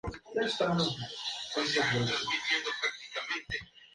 Diseño el Monumento a Washington.